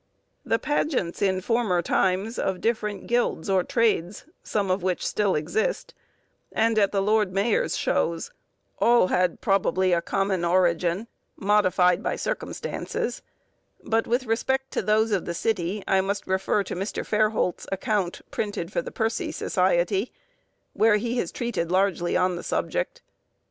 The pageants, in former times, of different guilds or trades, some of which still exist, and, at the Lord Mayor's shows, had all probably a common origin, modified by circumstances; but, with respect to those of the city, I must refer to Mr. Fairholt's account, printed for the Percy Society, where he has treated largely on the subject.